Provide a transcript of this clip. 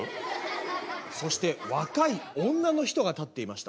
「そして若い女の人が立っていました」。